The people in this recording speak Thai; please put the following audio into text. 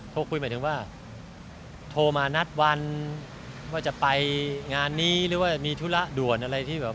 โทรคุยหมายถึงว่าโทรมานัดวันว่าจะไปงานนี้หรือว่ามีธุระด่วนอะไรที่แบบ